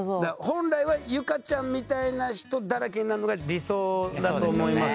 本来は結香ちゃんみたいな人だらけになるのが理想だと思います